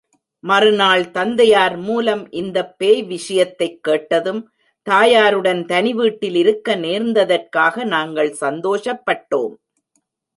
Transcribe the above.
மறுநாள் தந்தையார் மூலம் இந்தப்பேய் விஷயத்தைக் கேட்டதும் தாயாருடன் தனி வீட்டில் இருக்க நேர்ந்ததற்காக நாங்கள் சந்தோஷப்பட்டோம்.